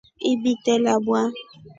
Ibite labwa.